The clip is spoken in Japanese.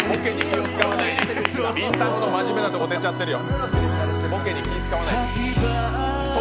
りんたろーの真面目なところ出ちゃってるよ。